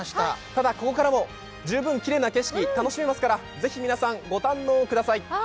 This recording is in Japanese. ただ、ここからも十分きれいな景色楽しめますからぜひ皆さん、ご堪能ください。